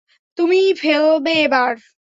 তুমিই ফেলবে এবার।